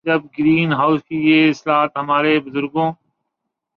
جب green house کی یہ اصطلاح ہمارے بزرگوں